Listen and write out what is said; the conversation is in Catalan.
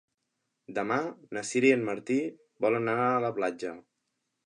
Demà na Sira i en Martí volen anar a la platja.